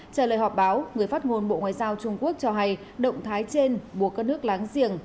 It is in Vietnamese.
trả lời họp báo người phát ngôn bộ ngoại giao trung quốc cho hay động thái trên buộc các nước láng giềng